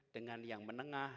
dengan yang menengah